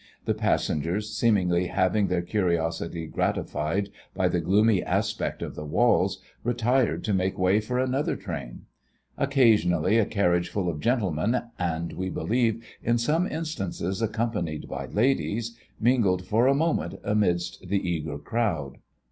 The passengers, seemingly having their curiosity gratified by the gloomy aspect of the walls, retired to make way for another train. Occasionally a carriage full of gentlemen, and, we believe, in some instances accompanied by ladies, mingled for a moment amidst the eager crowd....